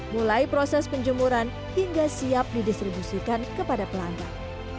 mulai proses penjemuran hingga siap didistribusikan kepada pelanggan